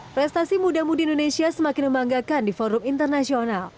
prestasi muda muda indonesia semakin membanggakan di forum internasional